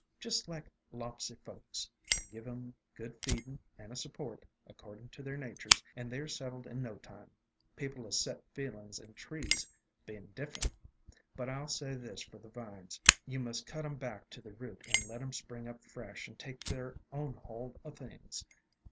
"Just like lopsy folks. Give 'em good feedin' and a support THE DRAPERY OF VINES 315 accordin' to their natures and they 're settled in no time, people o' set feelin's and trees bein' different. But I '11 say this for the vines — you must cut 'em back to the root and let 'em spring up fresh and take their own hold o' things.